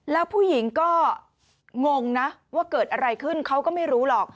แล้วผู้หญิงก็งงนะว่าเกิดอะไรขึ้นเขาก็ไม่รู้หรอก